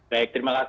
baik terima kasih pak